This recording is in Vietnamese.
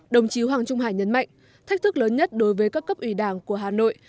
đồng chí hoàng trung hải nhấn mạnh thách thức lớn nhất đối với các cấp ủy đảng của hà nội